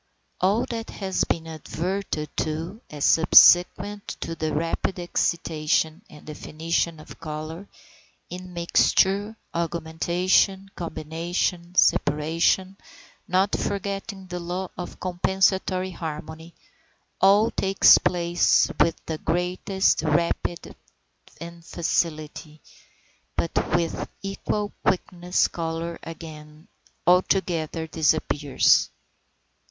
All that has been adverted to as subsequent to the rapid excitation and definition of colour, immixture, augmentation, combination, separation, not forgetting the law of compensatory harmony, all takes place with the greatest rapidity and facility; but with equal quickness colour again altogether disappears.